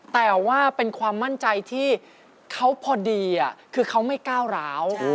แต่ว่าเป็นความมั่นใจที่เขาพอดีคือเขาไม่ก้าวร้าว